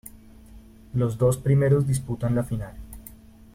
Los dos primeros disputan la final.